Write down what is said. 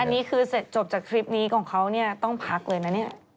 อันนี้คือเสร็จจบจากคลิปนี้ของเขาต้องพักเลยนะ